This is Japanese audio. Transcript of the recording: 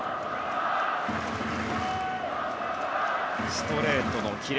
ストレートのキレ。